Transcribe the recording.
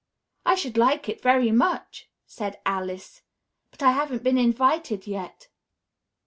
"I should like it very much," said Alice, "but I haven't been invited yet."